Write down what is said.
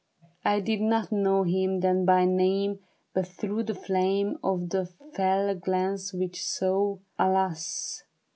I did not know him then by name, But through the flame Of the fell glance which sought, alas